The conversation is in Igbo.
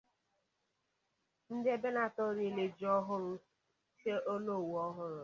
Ndị Ebenator Eriela Ji Ọhụrụ, Chie Onowụ Ọhụrụ